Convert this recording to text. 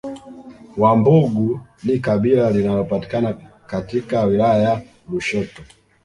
Wambugu ni kabila linalopatikana katika wilaya ya Lushoto